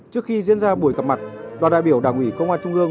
trước khi diễn ra buổi gặp mặt đoàn đại biểu đảng ủy công an trung ương